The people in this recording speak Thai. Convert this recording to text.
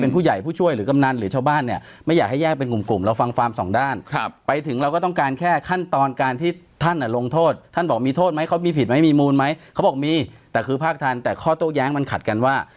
เป็นใหม่เลยอ่ะเป็นเล็กแต่เดือนแรกที่ถูกหักคือเดือนอะไรนะ